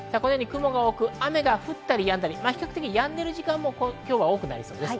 雲が多く、雨が降ったりやんだり、比較的やんでる時間が多くなりそうです。